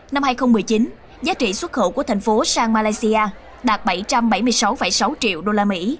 năm hai nghìn một mươi chín giá trị xuất khẩu của thành phố sang malaysia đạt bảy trăm bảy mươi sáu sáu triệu usd